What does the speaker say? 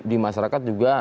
di masyarakat juga